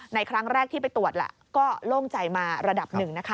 ในครั้งแรกที่ไปตรวจก็โล่งใจมาระดับหนึ่งนะคะ